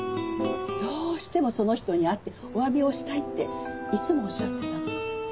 どうしてもその人に会ってお詫びをしたいっていつもおっしゃってたの。